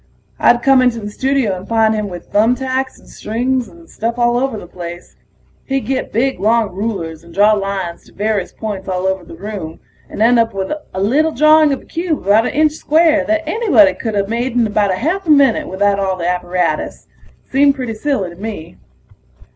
I'd come into the studio and find him with thumb tacks and strings and stuff all over the place. He'd get big long rulers and draw lines to various points all over the room, and end up with a little drawing of a cube about an inch square that anybody coulda made in a half a minute without all the apparatus. Seemed pretty silly to me.